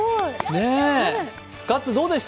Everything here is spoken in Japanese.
ガッツ、どうでした？